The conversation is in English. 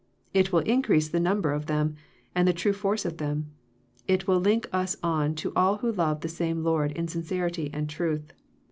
It will increase the number of them, and the true force of them. It will link us on to all who love the same Lord in sincerity and truth.